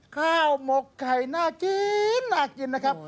ข้าวหมกไข่น่ากินน่ากินนะครับ